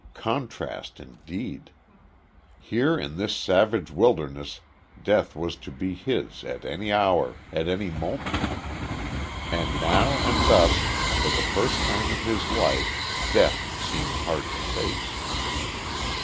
Contrast indeed! Here in this savage wilderness death was to be his at any hour, at any moment. And now and thus, for the first time in his life, death seemed hard to face.